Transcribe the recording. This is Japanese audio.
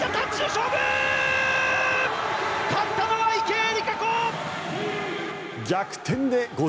勝ったのは池江璃花子！